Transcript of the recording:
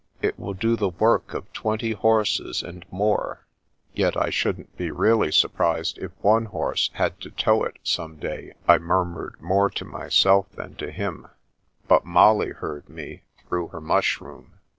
It will do the work of twenty horses, and more "" Yet I shouldn't be really surprised if one horse had to tow it some day," I murmured more to my self than to him, but Molly heard me, through her mushroom.